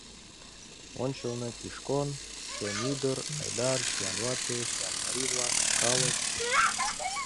Ончылно: Кишкон, Шемӱдыр, Айдар, сӱанвате, сӱанмарий-влак, калык.